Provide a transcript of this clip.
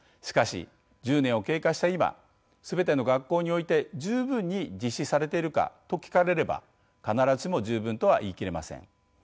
しかし１０年を経過した今全ての学校において十分に実施されているかと聞かれれば必ずしも十分とは言い切れません。